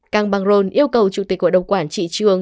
căng băng rôn yêu cầu chủ tịch hội đồng quản trị trường